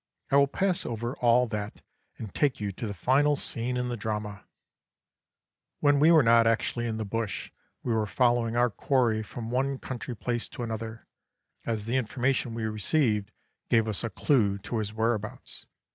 I will pass over all that and take you to the final scene in the drama. "When we were not actually in the bush we were following our quarry from one country place to another, as the information we received gave us a clue to his whereabouts.